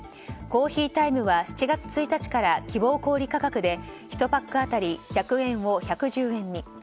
珈琲たいむは７月１日から希望小売価格で１パック当たり１００円を１１０円に。